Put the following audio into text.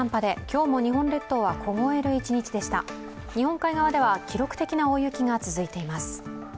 日本海側では記録的な大雪が続いています。